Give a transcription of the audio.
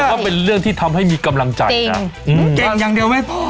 ก็เป็นเรื่องที่ทำให้มีกำลังใจนะเก่งอย่างเดียวไม่พอ